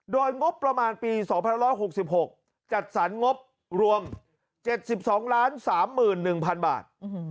โดยงบประมาณปี๒๑๖๖จัดสรรงบรวม๗๒๓๑๐๐๐บาท